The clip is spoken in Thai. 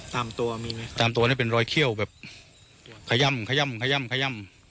ตามตัวมีไหมตามตัวนี่เป็นรอยเขี้ยวแบบขย่ำขย่ำขย่ำขย่ำ